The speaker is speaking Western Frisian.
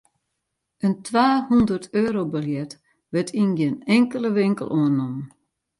In twahûnderteurobiljet wurdt yn gjin inkelde winkel oannommen.